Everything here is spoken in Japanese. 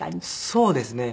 そうですね。